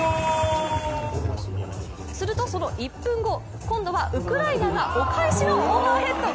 するとその１分後今度はウクライナがお返しのオーバーヘッド。